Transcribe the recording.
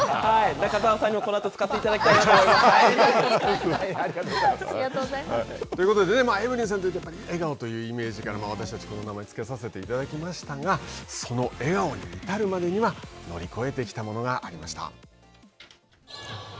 中澤さんにもこのあと、使っていありがとうございます。ということで、エブリンさんといえば、笑顔というイメージから私たち、この名前をつけさせていただきましたが、その笑顔に至るまでには、乗り越えてきたものがありました。